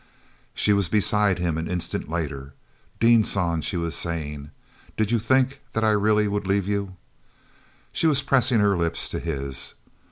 She was beside him an instant later. "Dean San," she was saying, "did you think that I really would leave you?" She was pressing her lips to his.